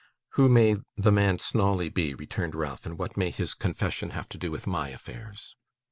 'Who may "the man Snawley" be,' returned Ralph, 'and what may his "confession" have to do with my affairs?